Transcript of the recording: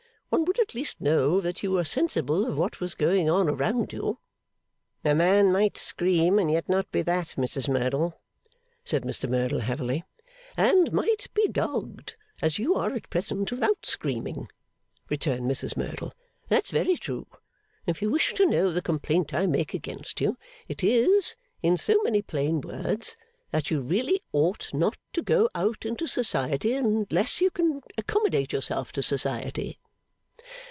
One would at least know that you were sensible of what was going on around you.' 'A man might scream, and yet not be that, Mrs Merdle,' said Mr Merdle, heavily. 'And might be dogged, as you are at present, without screaming,' returned Mrs Merdle. 'That's very true. If you wish to know the complaint I make against you, it is, in so many plain words, that you really ought not to go into Society unless you can accommodate yourself to Society.